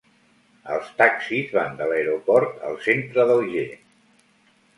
Els taxis van de l'aeroport al centre d'Alger.